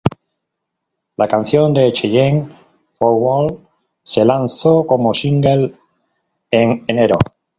La canción de Cheyenne "Four Walls" se lanzó como single en enero.